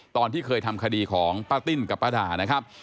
ตอนที่เคยทำคดีของป้าติ้นกับป้าดานะครับ